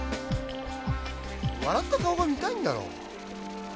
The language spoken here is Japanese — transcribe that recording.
笑った顔が見たいんだろ？